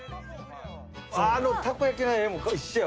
ああのたこ焼きの絵も一緒や。